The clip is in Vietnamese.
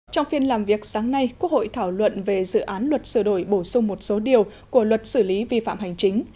trong phiên làm việc sáng nay quốc hội thảo luận về dự án luật sửa đổi bổ sung một số điều của luật xử lý vi phạm hành chính